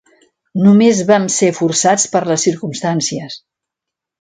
Només vam ser forçats per les circumstàncies.